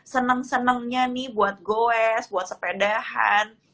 seneng senengnya nih buat goes buat sepedahan